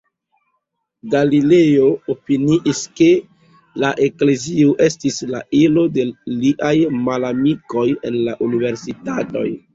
Galilejo opiniis, ke la Eklezio estis la ilo de liaj malamikoj en la universitatoj.